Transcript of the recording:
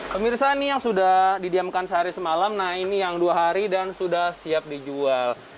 pemirsa ini yang sudah didiamkan sehari semalam nah ini yang dua hari dan sudah siap dijual